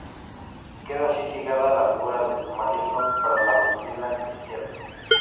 Queda así fijada la figura del Maligno para la doctrina cristiana.